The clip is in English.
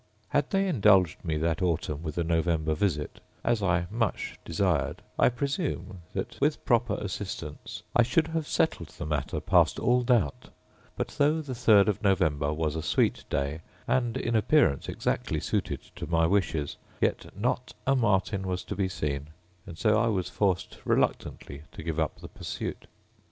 Had they indulged me that autumn with a November visit, as I much desired I presume that, with proper assistants, I should have settled the matter past all doubt; but though the third of November was a sweet day, and in appearance exactly suited to my wishes, yet not a martin was to be seen; and so I was forced, reluctantly, to give up the pursuit.